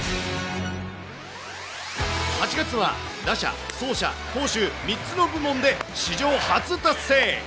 ８月は打者、走者、投手、３つの部門で史上初達成。